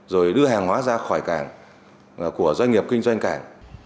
rồi đưa hàng hóa ra khỏi cảng của doanh nghiệp kinh doanh cảng